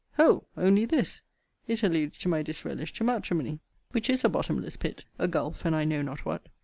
Ho! only this! it alludes to my disrelish to matrimony: Which is a bottomless pit, a gulph, and I know not what.